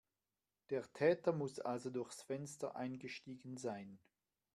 Der Täter muss also durchs Fenster eingestiegen sein.